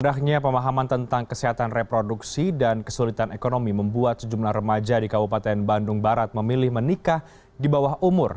rendahnya pemahaman tentang kesehatan reproduksi dan kesulitan ekonomi membuat sejumlah remaja di kabupaten bandung barat memilih menikah di bawah umur